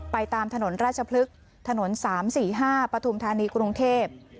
ตามถนนราชพฤกษ์ถนน๓๔๕ปฐุมธานีกรุงเทพ